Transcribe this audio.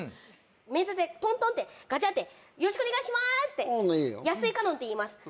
面接でトントンってガチャッてよろしくお願いしますって安井かのんです